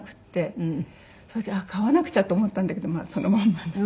それで買わなくちゃって思ったんだけどそのまんまです。